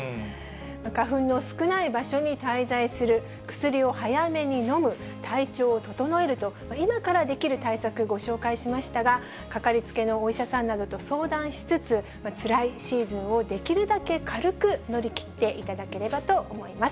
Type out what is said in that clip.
花粉の少ない場所に滞在する、薬を早めに飲む、体調を整えると、今からできる対策、ご紹介しましたが、かかりつけのお医者さんなどと相談しつつ、つらいシーズンをできるだけ軽く乗り切っていただければと思います。